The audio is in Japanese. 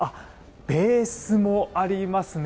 ベースもありますね。